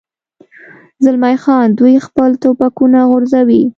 زلمی خان: دوی خپل ټوپکونه غورځوي.